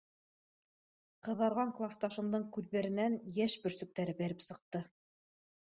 — Ҡыҙарған класташымдың күҙҙәренән йәш бөрсөктәре бәреп сыҡты.